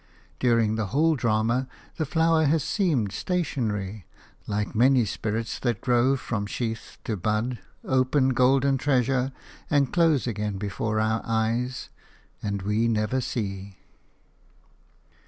During the whole drama the flower has seemed stationary – like many spirits that grow from sheath to bud, open golden treasure and close again before our eyes – and we never see.